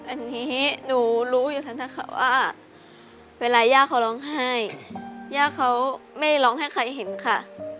อันนี้หนูรู้อยู่แล้วนะคะว่าเวลาย่าเขาร้องไห้ย่าเขาไม่ร้องให้ใครเห็นค่ะ